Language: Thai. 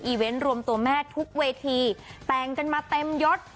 เวนต์รวมตัวแม่ทุกเวทีแต่งกันมาเต็มยศ